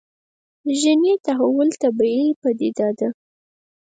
ژبني تحول طبیعي پديده ده